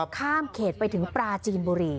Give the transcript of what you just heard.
ข้ามเขตไปถึงปราจีนบุรี